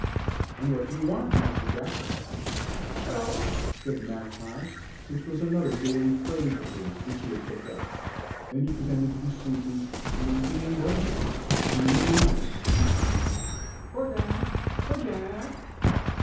"And what do you want, Master Jack?" "Sho!" said the magpie, which was another daily phrase of his which he had picked up. Then he pretended to be sleepy, winking and blinking, and even yawning and crying, "Poor Jack! poor Jack!"